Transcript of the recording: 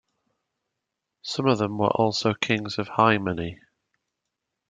Some of them were also Kings of Hy-Many.